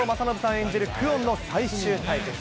演じる久遠の最終対決。